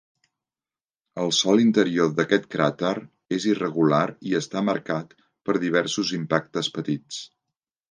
El sòl interior d'aquest cràter és irregular, i està marcat per diversos impactes petits.